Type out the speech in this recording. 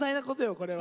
これは。